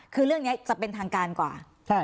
คือเรื่องนี้จะเป็นทางการกว่า